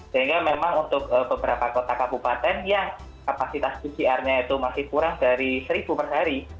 sehingga memang untuk beberapa kota kabupaten yang kapasitas pcr nya itu masih kurang dari seribu per hari